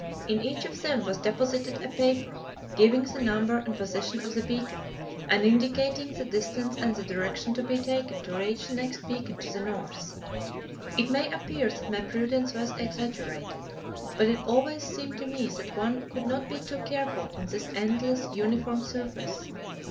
In each of them was deposited a paper, giving the number and position of the beacon, and indicating the distance and the direction to be taken to reach the next beacon to the north. It may appear that my prudence was exaggerated, but it always seemed to me that one could not be too careful on this endless, uniform surface.